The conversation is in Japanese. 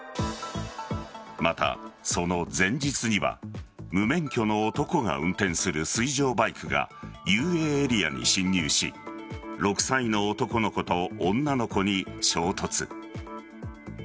また、その前日には無免許の男が運転する水上バイクが遊泳エリアに侵入し６歳の男の子と女の子に衝突。